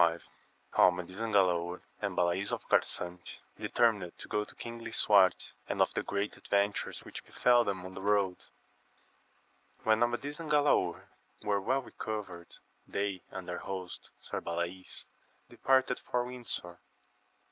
— How Amadis and Gkdaor and Balays of Carfiante determined to go to King Lisuarte, and of the great adyen tures which befell them on the road. HEN Amadis and Galaor were well recovered, they and their host, Sir Balays, departed for Windsor.